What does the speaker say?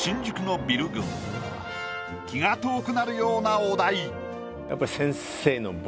気が遠くなるようなお題。